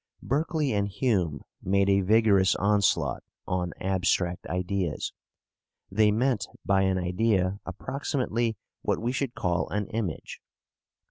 Berkeley and Hume made a vigorous onslaught on "abstract ideas." They meant by an idea approximately what we should call an image.